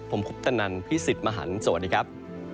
ผมคุปตนันพี่สิทธิ์มหันฯสวัสดีครับ